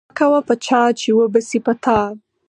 مکوه په چا چی اوبشی په تا